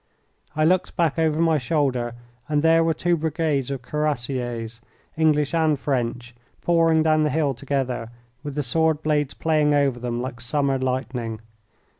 I looked back over my shoulder, and there were two brigades of Cuirassiers, English and French, pouring down the hill together, with the sword blades playing over them like summer lightning.